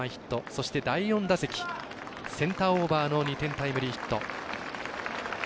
そして第４打席センターオーバーの２点タイムリーヒット。